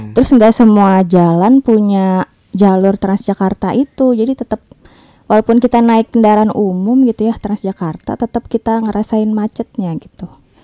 terus nggak semua jalan punya jalur transjakarta itu jadi tetap walaupun kita naik kendaraan umum gitu ya transjakarta tetap kita ngerasain macetnya gitu